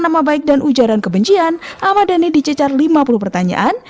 nama baik dan ujaran kebencian ahmad dhani dicecar lima puluh pertanyaan